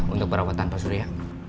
untuk perawatan pak surya